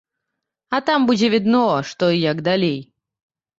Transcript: А там будзе відно, што і як далей.